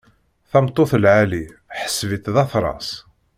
Tameṭṭut lɛali, ḥseb-itt d aterras.